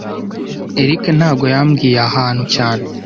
Eric ntago yambwiye aha hantu cyane